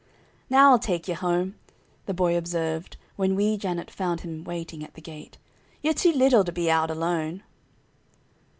"Now I'll take yer home," the boy observed when Wee Janet found him waiting at the gate. "Yer too little to be out alone."